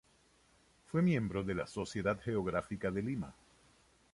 Fue miembro de la Sociedad Geográfica de Lima.